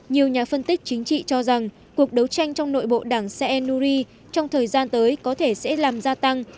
nhiều nhà phân tích chính trị cho rằng cuộc đấu tranh trong nội bộ đảng senuri trong thời gian tới có thể sẽ làm gia tăng